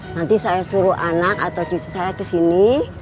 nanti saya suruh anak atau cucu saya kesini